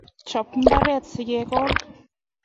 Chop mbaret sikekol